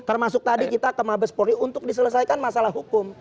termasuk tadi kita ke mabes polri untuk diselesaikan masalah hukum